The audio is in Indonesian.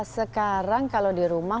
sekarang kalau di rumah